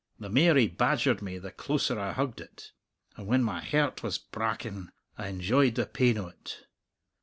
The mair he badgered me, the closer I hugged it; and when my he'rt was br'akin I enjoyed the pain o't."